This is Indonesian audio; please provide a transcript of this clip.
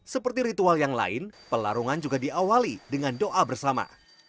seperti ritual yang lain pelarungan juga diawali dengan doa bersama